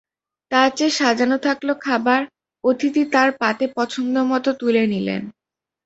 তার চেয়ে সাজানো থাকল খাবার, অতিথি তাঁর পাতে পছন্দমতো তুলে নিলেন।